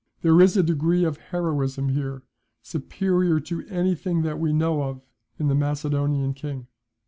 There is a degree of heroism here superior to anything that we know of in the Macedonian king.